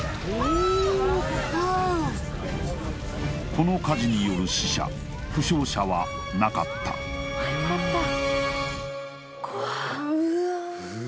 この火事による死者負傷者はなかった怖うわ